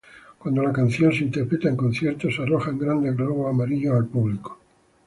Cuando la canción se interpreta en conciertos, se arrojan grandes globos amarillos al público.